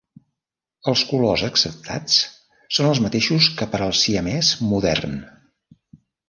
Els colors acceptats són els mateixos que per al siamès modern.